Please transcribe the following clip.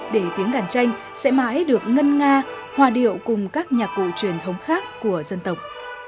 để tiếng đàn tranh sẽ mãi được ngân nga hòa điệu cùng các nhạc cụ truyền thống khác của dân tộc